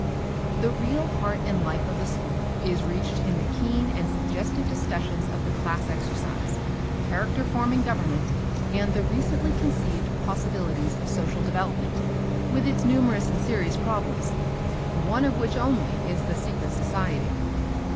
The real heart and life of the school is reached in the keen and suggestive discussions of the class exercise, character forming government, and the recently conceived possibilities of social development, with its numerous and serious problems, one of which only is the secret society.